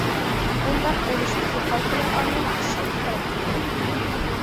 بۇنداق بولۇشتىكى ھالقىلىق ئامىل كىشىلىك خاراكتېردۇر.